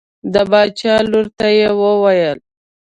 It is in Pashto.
د باچا لور ته یې وویل.